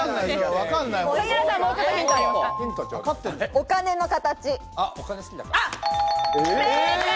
お金の形。